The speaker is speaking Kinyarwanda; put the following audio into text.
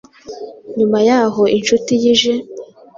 nyuma y’aho inshuti ye ije